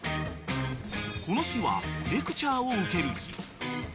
［この日はレクチャーを受ける日］